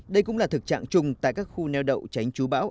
đây cũng là thực trạng chung tại các khu neo đậu tránh chú bão